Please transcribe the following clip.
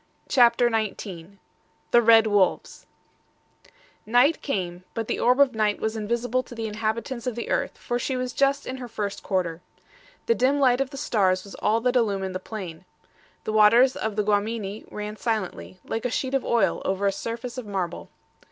CHAPTER XIX THE RED WOLVES NIGHT came, but the orb of night was invisible to the inhabitants of the earth, for she was just in her first quarter. The dim light of the stars was all that illumined the plain. The waters of the Guamini ran silently, like a sheet of oil over a surface of marble.